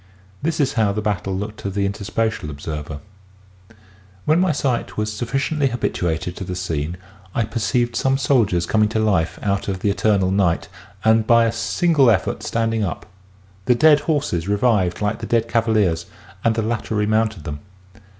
This is how the battle looked to the interspatial ob server : TURNING TIME BACK, WARD 43 When my sight was sufficiently habituated to the scene, I perceived some soldiers coming to life out of the eternal night, and by a single effort standing up. The dead horses revived like the dead cavaliers, and the latter remounted them.